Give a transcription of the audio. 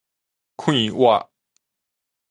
快活